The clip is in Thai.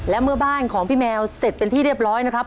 และเมื่อบ้านของพี่แมวเสร็จเป็นที่เรียบร้อยนะครับ